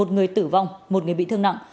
một người tử vong một người bị thương nặng